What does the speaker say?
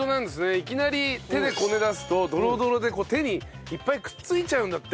いきなり手でこねだすとドロドロで手にいっぱいくっついちゃうんだって。